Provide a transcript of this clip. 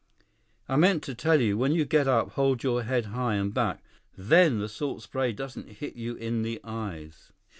"I meant to tell you. When you get up, hold your head high, and back. Then the salt spray doesn't hit you in the eyes."